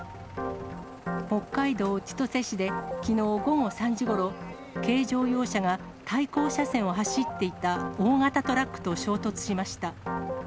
北海道千歳市できのう午後３時ごろ、軽乗用車が対向車線を走っていた大型トラックと衝突しました。